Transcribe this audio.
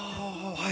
はい。